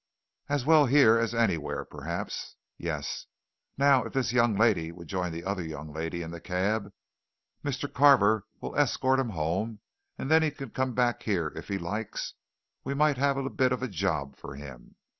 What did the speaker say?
as well here as anywhere, perhaps. Yes. Now, if this young lady would join the other young lady in the cab, Mr. Carver'll escort 'em home, and then he can come back here if he likes we might have a bit of a job for him.